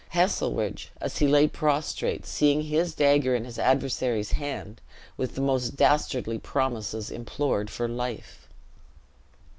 Heselrigge, as he lay prostrate, seeing his dagger in his adversary's hand, with the most dastardly promises implored for life.